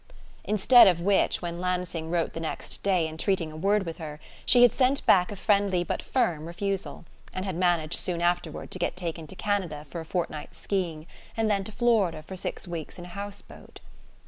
Instead of which, when Lansing wrote the next day entreating a word with her, she had sent back a friendly but firm refusal; and had managed soon afterward to get taken to Canada for a fortnight's ski ing, and then to Florida for six weeks in a house boat....